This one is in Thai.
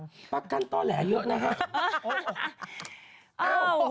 แต่ประกันต้อแหละเยอะน่ะฮะ